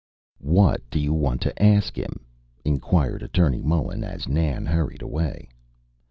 "What do you want to ask him?" inquired Attorney Mullen, as Nan hurried away.